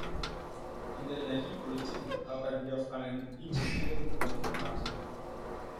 In der Energiepolitik arbeiten wir auf einen integrierten Energiemarkt hin.